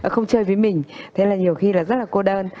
không chơi với mình thế là nhiều khi là rất là cô đơn